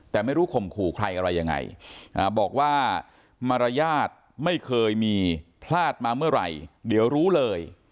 แต่ไม่รู้ข่มขู่ใครอะไรยังไงบอกว่ามารยาทไม่เคยมีพลาดมาเมื่อไหร่เดี๋ยวรู้เลย